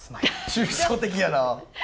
抽象的やな。